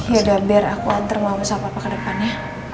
yaudah biar aku anter maaf sama bapak ke depannya